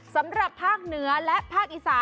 สำหรับภาคเหนือและภาคอีสาน